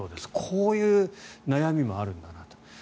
こういう悩みもあるんだなと。